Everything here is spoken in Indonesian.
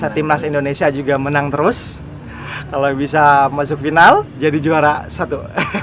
timnas indonesia juga menang terus kalau bisa masuk final jadi juara satu